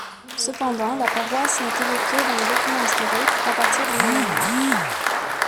Cependant, la paroisse n'est évoquée dans les documents historiques qu'à partir du Moyen Âge.